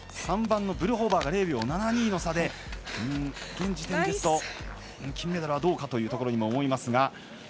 ３番のブルホバーが０秒７２の差で現時点ですと、金メダルはどうかというところにも思いますが。